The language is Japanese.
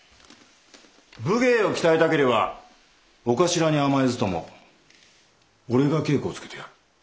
武芸を鍛えたければ長官に甘えずとも俺が稽古をつけてやる。